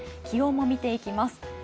気温も見ていきます。